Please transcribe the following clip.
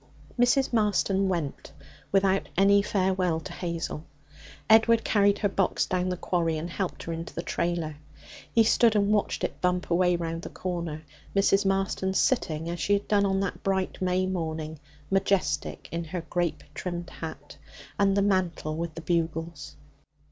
Mrs. Marston went without any farewell to Hazel. Edward carried her box down the quarry and helped her into the trailer. He stood and watched it bump away round the corner, Mrs. Marston sitting, as she had done on that bright May morning, majestic in her grape trimmed hat and the mantle with the bugles.